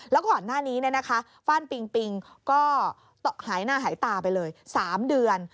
แล้วก่อนหน้านี้ฟ่านปิงปิงก็หายหน้าหายตาไปเลย๓เดือน